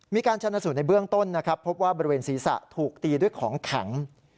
มีการชนะสูตรในเบื้องต้นนะครับพบว่าบริเวณศีรษะถูกตีด้วยของแข็ง